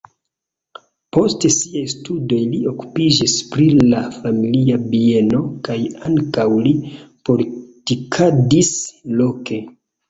Post siaj studoj li okupiĝis pri la familia bieno kaj ankaŭ li politikadis loke.